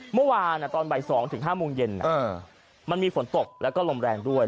เมื่อวานอ่ะตอนบ่ายสองถึงห้ามงเย็นอ่ะมันมีฝนตกแล้วก็ลมแรงด้วย